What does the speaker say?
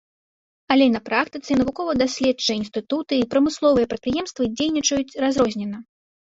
Але на практыцы навукова-даследчыя інстытуты і прамысловыя прадпрыемствы дзейнічаюць разрознена.